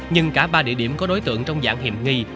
nhưng cả ba địa điểm có đối tượng trong dạng hiểm nghi